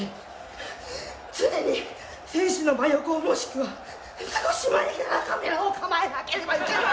常に選手の真横もしくは少し前からカメラを構えなければいけない！